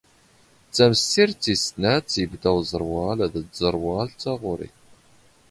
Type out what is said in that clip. ⵜⴰⵎⵙⵙⵉⵔⴷⵜ ⵜⵉⵙ ⵙⵏⴰⵜ ⵉⴱⴷⴰ ⵓⵥⵔⵡⴰⵍ ⴷ ⵜⵥⵔⵡⴰⵍⵜ ⵜⴰⵖⵓⵔⵉ